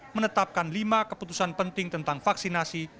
menetapkan lima keputusan penting tentang vaksinasi